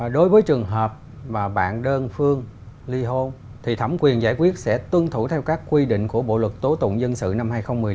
đối với trường hợp mà bạn đơn phương ly hôn thì thẩm quyền giải quyết sẽ tuân thủ theo các quy định của bộ luật tố tụng dân sự năm hai nghìn một mươi năm